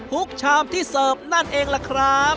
ชามที่เสิร์ฟนั่นเองล่ะครับ